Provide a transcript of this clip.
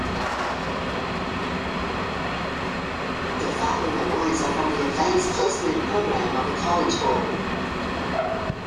The following awards are from the Advanced Placement Program of the College Board.